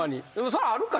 そらあるか。